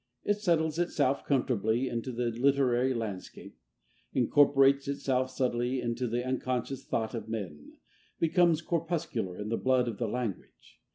It settles itself comfortably into the literary landscape, incorporates itself subtly into the unconscious thought of men, becomes corpuscular in the blood of the language.